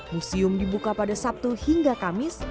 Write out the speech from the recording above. museum dibuka pada sabtu hingga kamis